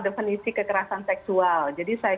definisi kekerasan seksual jadi saya